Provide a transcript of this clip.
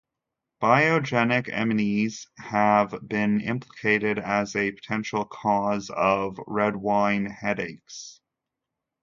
Biogenic amines have been implicated as a potential cause of red wine headaches.